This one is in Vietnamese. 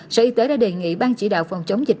sở y tế đã đề nghị ban chỉ đạo phòng chống dịch